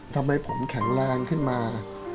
ทำให้ผมแข็งลางขึ้นมา